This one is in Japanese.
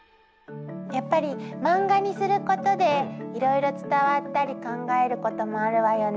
やっぱり漫画にすることでいろいろ伝わったり考えることもあるわよね。